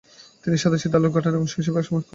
তিনি সাদা আলোর গাঠনিক অংশসমূহ আবিষ্কারে সক্ষম হন।